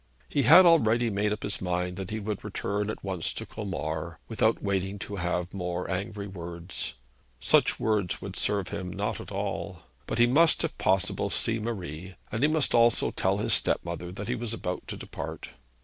He had already made up his mind that he would return at once to Colmar, without waiting to have more angry words. Such words would serve him not at all. But he must if possible see Marie, and he must also tell his stepmother that he was about to depart.